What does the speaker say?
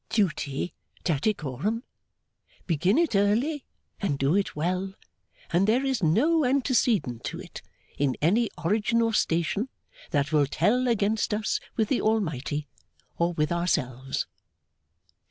'Duty, Tattycoram. Begin it early, and do it well; and there is no antecedent to it, in any origin or station, that will tell against us with the Almighty, or with ourselves.